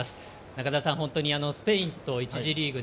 中澤さん、スペインと１次リーグ